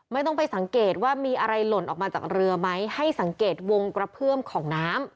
ไม่ต้องไปสังเกตว่ามีอะไรหล่นออกมาจากเรือไหมให้สังเกตวงกระเพื่อมของน้ำ